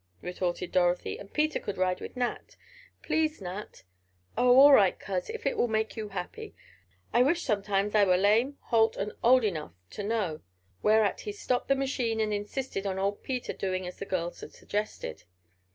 retorted Dorothy, "and Peter could ride with Nat. Please, Nat——" "Oh, all right, Coz, if it will make you happy. I wish, sometimes, I were lame, halt and old enough—to know." Whereat he stopped the machine and insisted on old Peter doing as the girls had suggested.